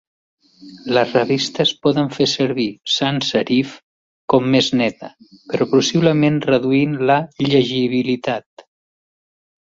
Les revistes poden fer servir sans-serif com "més neta", però possiblement reduint la llegibilitat.